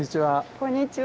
こんにちは。